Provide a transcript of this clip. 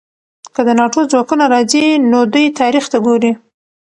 که د ناټو ځواکونه راځي، نو دوی تاریخ ته ګوري.